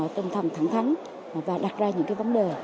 tân thầm thẳng thắng và đặt ra những vấn đề